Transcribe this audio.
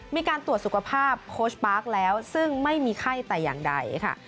มีการตรวจสุขภาพโค้ชปาร์คแล้วซึ่งไม่มีไข้แต่อย่างใดค่ะ